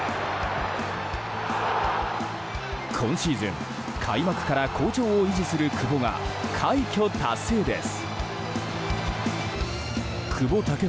今シーズン開幕から好調を維持する久保が快挙達成です。